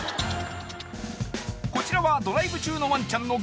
［こちらはドライブ中のワンちゃんのクセ強動画］